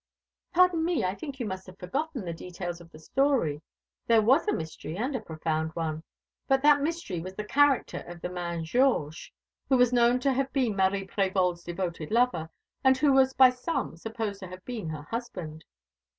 "Pardon me. I think you must have forgotten the details of the story. There was a mystery, and a profound one; but that mystery was the character of the man Georges, who was known to have been Marie Prévol's devoted lover, and who was by some supposed to have been her husband."